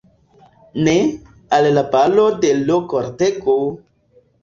Ne; al la balo de l' kortego!